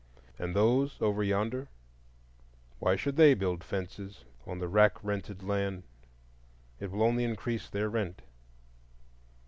And those over yonder, why should they build fences on the rack rented land? It will only increase their rent.